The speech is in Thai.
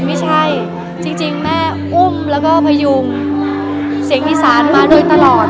ไม่ใช่จริงแม่อุ้มแล้วก็พยุงเสียงอีสานมาโดยตลอด